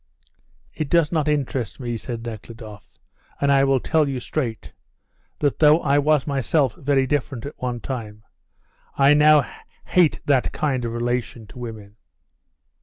"It does not interest me," said Nekhludoff, "and I will tell you straight, that though I was myself very different at one time, I now hate that kind of relation to women."